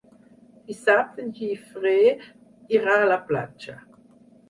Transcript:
Dissabte en Guifré irà a la platja.